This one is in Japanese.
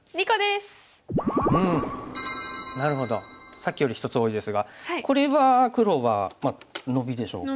さっきより１つ多いですがこれは黒はノビでしょうか。